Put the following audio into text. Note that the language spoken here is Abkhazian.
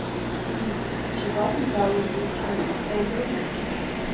Ыы, сасцәақәак изаауеит, — иҳәан, сеидру?